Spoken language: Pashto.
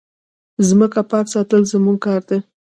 مځکه پاک ساتل زموږ کار دی.